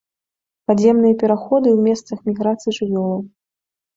Падземныя пераходы ў месцах міграцый жывёлаў.